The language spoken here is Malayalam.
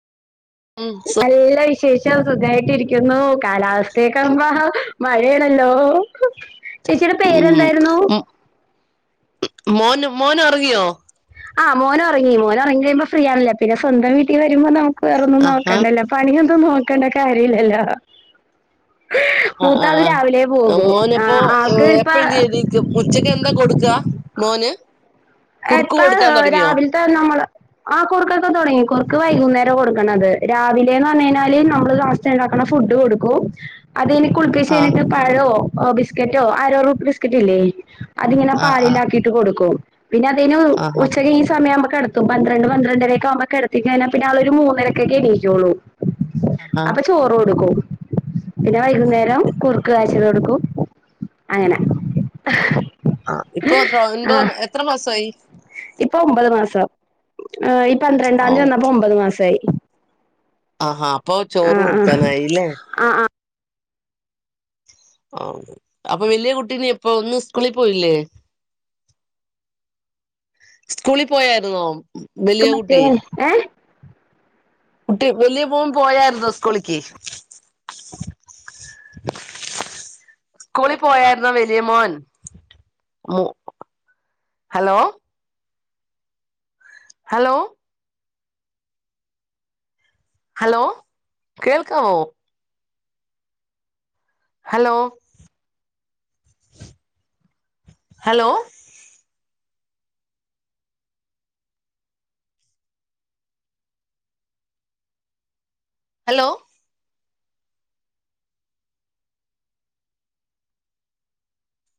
ഉം സു നല്ല വിശേ ഷം സുഖായിട്ടിരിക്കുന്നു കാലാവസ്ഥയൊക്കെ ഇപ്പം മഴയാണല്ലോ ചേച്ചിയുടെ ഉം പേരെന്തായിരുന്നു? മോൻ മോനൊറങ്ങിയോ.? ആഹ് മോനൊറങ്ങി മോന് ഒറങ്ങി കിയുമ്പോ ഫ്രീയാണല്ലോ പിന്നെ സ്വന്തം വീട്ടി വരുമ്പോ നമുക്ക് വേറൊന്നും ആഹാ നോക്കണ്ടല്ലോ? പണിയൊന്നും നോക്കേണ്ട കാര്യവില്ലല്ലോ? ആഹ് മൂത്താള് ആഹ് രാവിലെ പോകും ആഹ് ആൾക്ക് ഇപ്പ ഉച്ച ഉച്ചക്ക് എന്താ കൊടുക്ക മോന്? കുറുക്ക് എപ്പൊ കൊടുക്കാൻ തൊടങ്ങിയോ രാവിലത്തെ നമ്മള് ആ് കുറുക്കൊക്കെ തൊടങ്ങി കുറുക്ക് വൈകുന്നേര കൊടുക്ക്ണത് രാവിലേന്ന് പറഞ്ഞഴിഞ്ഞാല് നമ്മള് രാവിലെ ഇണ്ടാക്കണ ഫുഡ് കൊടുക്കും അത് കഴിഞ്ഞ് കുളി പ്പിച്ച് ആഹ് കഴ്ഞ്ഞിട്ട് പഴോ, ബിസ്ക്കറ്റോ, ആരോറൂട്ട് ബിസ്ക്കറ്റില്ലേ? അതിങ്ങനെ ആഹ് ആഹ് പാലിലാക്കിയിട്ട് കൊടുക്കും പിന്നെ അത് കഴിഞ്ന് ആഹാ ഉച്ചക്ക് ഈ സമയാവുമ്പം കെട ത്തും പന്ത്രണ്ട് പന്ത്രണ്ടരൊക്കെ ആവുമ്പോ കെടത്തി കഴിഞ്ഞ പിന്നെ അവളൊരു മൂന്നരക്കൊക്കെ എണീക്കൊള്ളൂ ആഹാ അപ്പ ചോറ് കൊടുക്കും പിന്നെ അത് ശരി വൈകുന്നേരം കുറു ക്ക് കാച്ചിയത് കൊടുക്കും അങ്ങനെ. ആഹ് ഇപ്പൊ എത്ര ആഹ് ഒൻപത് എത്ര മാസമായി? ഇപ്പൊ ഒമ്പത് മാസം ഈ പന്ത്രണ്ടാം തി ഓഹ് വന്നപ്പോ ഒമ്പത് മാസായി. ആഹ് ഹാ അപ്പൊ ചോറ് ആഹ് കൊടുക്കാനായില്ലേ? ആഹ് ആന്ന് അപ്പൊ വല്യ കുട്ടീ ഇനി ഇപ്പൊ ഇന്ന് സ്കൂളി പോയില്ലേ? സ്കൂളി പോയായിരുന്നോ? ക്ക് വലിയ മറ്റേ കുട്ടി ഏഹ്? കുട്ടി വലിയ മോൻ പോയായിരുന്നോ സ്കൂളിക്ക്? സ്കൂളി പോയായിരുന്നോ വലിയ മോൻ? ഹലോ ഹലോ ഹലോ കേൾക്കാവോ? Hello hello hello.